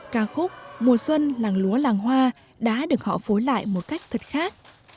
ca khúc mùa xuân làng lúa làng hoa đã được họ phối lại một cách thật khác